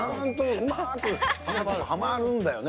うまくハマるんだよね。